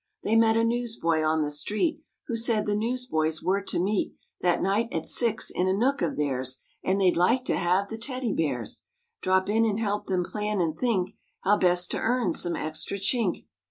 They met a newsboy on the street Who said the newsboys were to meet That night at six in a nook of theirs And they'd like to have the Teddy Bears Drop in and help them plan and think How best to earn some extra chink.